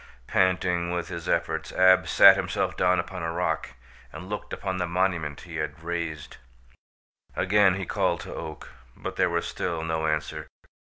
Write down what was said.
Panting with his efforts, Ab sat himself down upon a rock and looked upon the monument he had raised. Again he called to Oak, but there was still no answer.